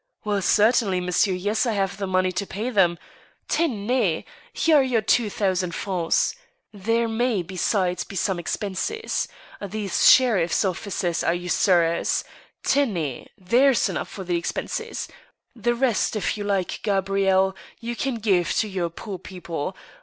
Well, certainly, monsieur ; yes, I have the money to pay them. •.. Tenezl here are your two thousand francs. There may, besides, be some expenses. These sheriff's officers are usurers, ... tenezt There's enough for the expenses. .., The rest, if you like, Gabrielle, you can give to your poor people